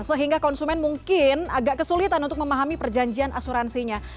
sehingga konsumen mungkin agak kesulitan untuk memahami perjanjian asuransinya